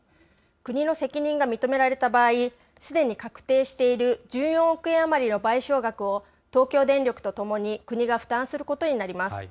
国の責任が認められた場合、すでに確定している１４億円余りの賠償額を東京電力とともに国が負担することになります。